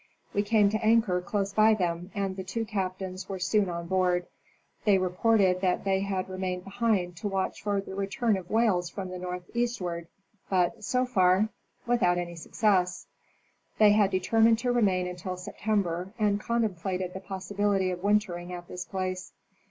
We came to anchor close by them and the two captains were soon on board. They reported that they had remained behind to watch for the return of whales from the northeastward, but so far without any success. They had determined to remain until Sep tember, and contemplated the possibility of wintering at this place.